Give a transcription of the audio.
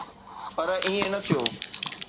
پر ائين نه ٿيو.